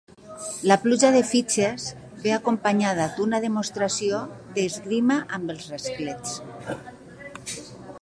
La pluja de fitxes ve acompanyada d'una demostració d'esgrima amb els rasclets.